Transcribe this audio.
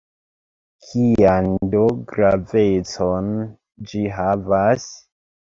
Kian do gravecon ĝi havas?